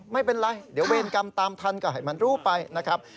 ไม่เป็นไรเดี๋ยวเวรกรรมตามทันก็ให้มันรู้ไปนะครับ